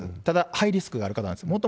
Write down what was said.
ただ、ハイリスクがある方なんです。